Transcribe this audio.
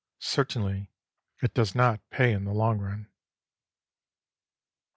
Certainly, it does not pay in the long run.